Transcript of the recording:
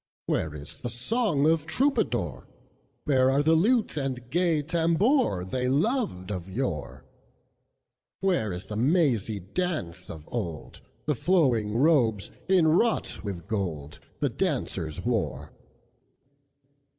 Where is the song of Troubadour? Where are the lute and gay tambourThey loved of yore? Where is the mazy dance of old, The flowing robes, inwrought with gold, The dancers wore?